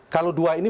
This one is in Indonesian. kalau dua ini